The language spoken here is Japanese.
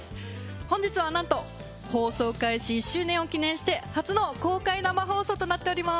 本日はなんと放送開始１周年を記念して初の公開生放送となっております